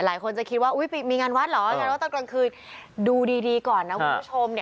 หลายคนจะคิดว่าอุ้ยมีงานวัดเหรออ่าแม้ว่าตอนกลางคืนดูดีดีก่อนนะ